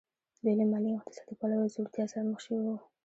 دوی له مالي او اقتصادي پلوه ځوړتیا سره مخ شوي وو